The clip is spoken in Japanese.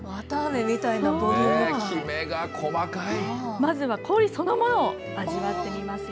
まずは氷そのものを味わってみますよ。